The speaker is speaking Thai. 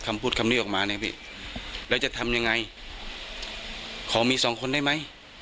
คำพูดคำนี้ออกมาเนี่ยพี่แล้วจะทำยังไงขอมีสองคนได้ไหม